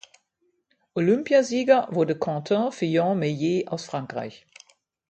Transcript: Olympiasieger wurde Quentin Fillon Maillet aus Frankreich.